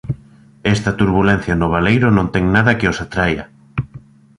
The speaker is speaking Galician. Esta turbulencia no baleiro non ten nada que os atraia.